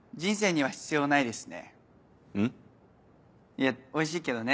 いやおいしいけどね